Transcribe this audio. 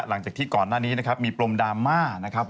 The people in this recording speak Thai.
หลังจากที่ก่อนหน้านี้นะครับมีปรมดราม่านะครับ